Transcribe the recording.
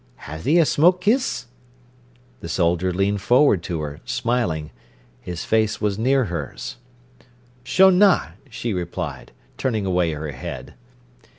"Ha'e a smoke kiss?" The soldier leaned forward to her, smiling. His face was near hers. "Shonna!" she replied, turning away her head.